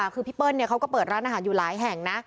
คือพี่เปิ้ลเขาก็เปิดร้านอาหารอยู่หลายแห่งนะ